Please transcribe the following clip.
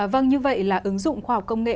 vâng như vậy là ứng dụng khoa học công nghệ